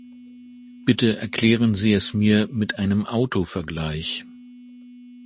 Bitte erklären Sie es mir mit einem Autovergleich.